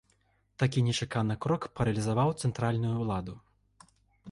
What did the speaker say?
Такі нечаканы крок паралізаваў цэнтральную ўладу.